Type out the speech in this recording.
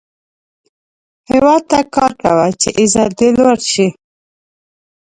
هیواد ته کار کوه، چې عزت یې لوړ شي